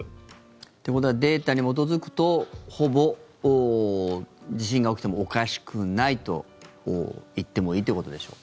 ということはデータに基づくとほぼ地震が起きてもおかしくないと言ってもいいということでしょうか？